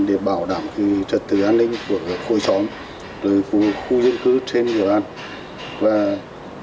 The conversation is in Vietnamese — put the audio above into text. để bảo đảm trật tự an ninh của các khối xóm khu dân cư trên địa bàn